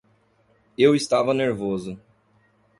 Eu estava nervoso.